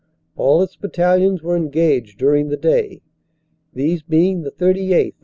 All its battalions were engaged during the day, these being the 38th.